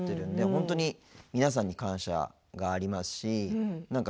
本当に皆さんに感謝がありますし。